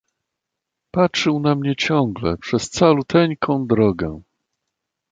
"Patrzył na mnie ciągle, przez caluteńką drogę."